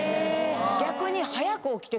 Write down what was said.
逆に。